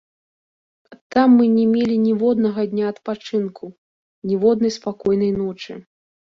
Там мы не мелі ніводнага дня адпачынку, ніводнай спакойнай ночы.